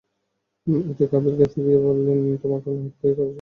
এতে কাবীল ক্ষেপে গিয়ে বলল, তোমাকে আমি হত্যা করেই ছাড়ব।